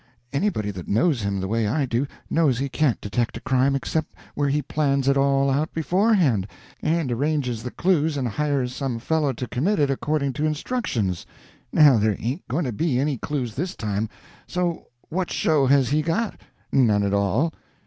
Anybody that knows him the way I do knows he can't detect a crime except where he plans it all out beforehand and arranges the clues and hires some fellow to commit it according to instructions.... Now there ain't going to be any clues this time so, what show has he got? None at all.